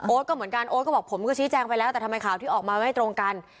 ก็เหมือนกันโอ๊ตก็บอกผมก็ชี้แจงไปแล้วแต่ทำไมข่าวที่ออกมาไม่ตรงกัน